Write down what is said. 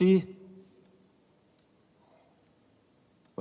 sedih lama jatuh dan mendesak terhadap expeditione tersebut